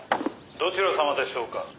「どちら様でしょうか」